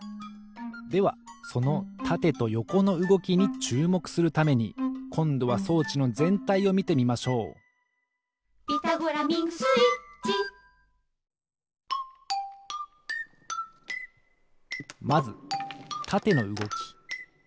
ではそのたてとよこのうごきにちゅうもくするためにこんどは装置のぜんたいをみてみましょう「ピタゴラミングスイッチ」まずたてのうごき。